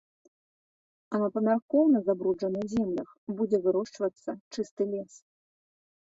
А на памяркоўна забруджаных землях будзе вырошчвацца чысты лес.